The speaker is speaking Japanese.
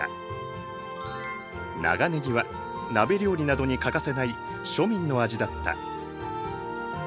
長ねぎは鍋料理などに欠かせない庶民の味だった。